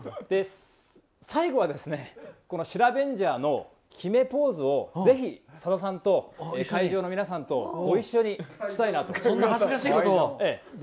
最後は、シラベンジャーの決めポーズをぜひ、さださんと会場の皆さんとご一緒にそんな恥ずかしいことを。